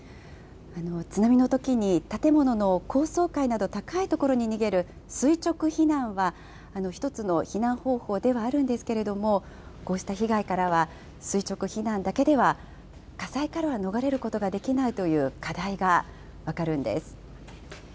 津波のときに、建物の高層階など、高い所に逃げる垂直避難は、一つの避難方法ではあるんですけれども、こうした被害からは、垂直避難だけでは火災からは逃れることができないという課題が分かるんです。